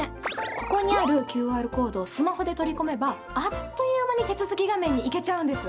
ここにあるＱＲコードをスマホで取り込めばあっという間に手続き画面に行けちゃうんです。